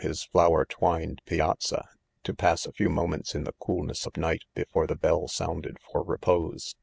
his flower twined pi azza, to pass a few moments in the coolness of night, before the hell sounded for repose.